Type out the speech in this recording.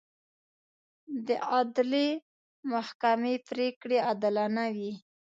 د عدلي محکمې پرېکړې عادلانه وي.